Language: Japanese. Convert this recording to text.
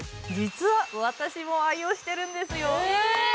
実は私も愛用してるんですよ。